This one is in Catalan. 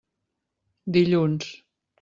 Dilluns.